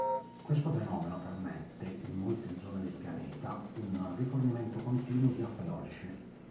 Questo fenomeno permette, in molte zone del Pianeta, un rifornimento continuo di acque dolci.